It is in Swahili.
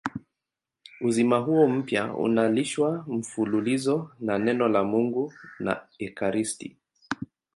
Uzima huo mpya unalishwa mfululizo na Neno la Mungu na ekaristi.